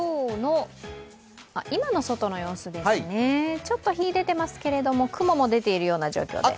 今の外の様子ですね、ちょっと日出てますけれども雲も出ている状況です。